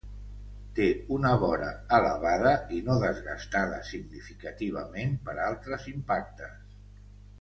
Té una vora elevada i no desgastada significativament per altres impactes.